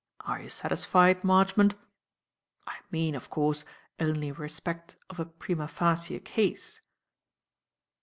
Are you satisfied, Marchmont? I mean, of course, only in respect of a prima facie case."